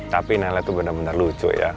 tapi nenek itu benar benar lucu ya